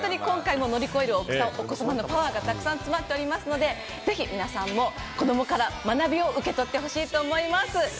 今回もパワーがたくさん詰まっておりますので、ぜひ皆さんも子どもから学びを受け取ってほしいと思います。